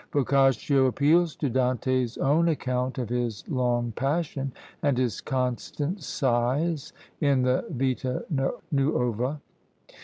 Boccaccio appeals to Dante's own account of his long passion, and his constant sighs, in the Vita Nuova.